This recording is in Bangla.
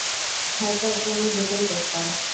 হয়তো ওকে আমি দুটোই করতাম।